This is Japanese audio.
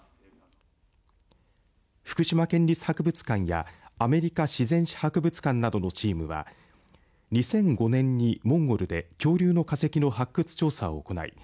福島県立博物館やアメリカ自然史博物館などのチームは２００５年にモンゴルで恐竜の化石の発掘調査を行い